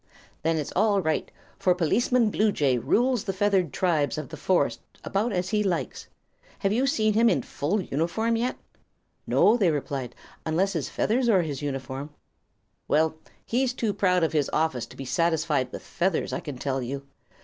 "Then it's all right; for Policeman Bluejay rules the feathered tribes of this forest about as he likes. Have you seen him in full uniform yet?" "No," they replied, "unless his feathers are his uniform." "Well, he's too proud of his office to be satisfied with feathers, I can tell you.